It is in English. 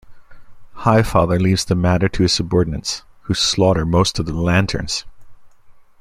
Highfather leaves the matter to his subordinates, who slaughter most of the Lanterns.